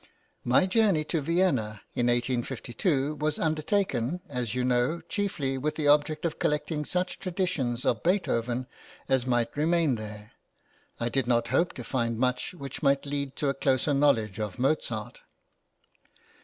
My journey to Vienna in 1852 was undertaken, as you know, chiefly with the object of collecting such traditions of Beethoven as might remain there; I did not hope to find much which might lead to a closer knowledge of Mozart.